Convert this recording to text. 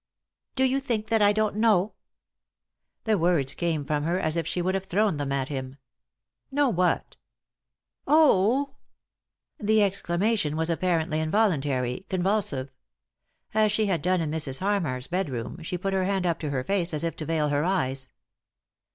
" Do yon think that I don't know ?" The words came from her as if she would have thrown them at him. "Know what?" "Oh h ht" The exclamation was apparently involuntary, con vulsive. As she had done in Mrs. Harmar's bedroom, she put her hand up to her nice as if to veil her eyes.